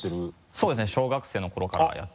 そうですね小学生のころからやってる。